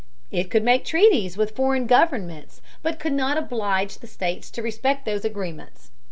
It could make treaties with foreign governments, but could not oblige the states to respect those agreements.